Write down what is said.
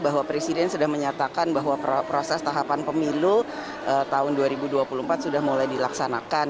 bahwa presiden sudah menyatakan bahwa proses tahapan pemilu tahun dua ribu dua puluh empat sudah mulai dilaksanakan